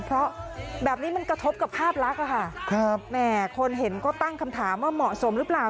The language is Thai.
เพราะแบบนี้มันกระทบกับภาพลักษณ์อะค่ะครับแหมคนเห็นก็ตั้งคำถามว่าเหมาะสมหรือเปล่า